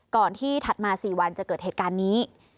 ก่อนที่ถัดมา๔วันจะเกิดเหตุการณ์นี้